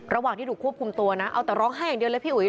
ระหว่างที่ถูกควบคุมตัวนะเอาแต่ร้องไห้อย่างเดียวเลยพี่อุ๋ย